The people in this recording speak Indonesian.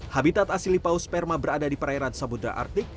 habitat asli paus sperma berada di perairan samudera artik